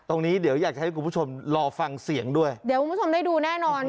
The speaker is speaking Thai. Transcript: ตรงนี้เดี๋ยวอยากจะให้คุณผู้ชมรอฟังเสียงด้วยเดี๋ยวคุณผู้ชมได้ดูแน่นอน